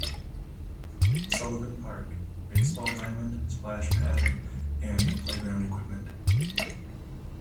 Sullivan Park - Baseball diamond, splash pad, and playground equipment.